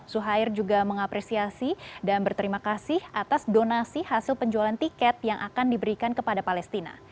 zuhair juga mengapresiasi dan berterima kasih atas donasi hasil penjualan tiket yang akan diberikan kepada palestina